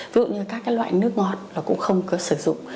ví dụ như các cái loại nước ngọt là cũng không có sử dụng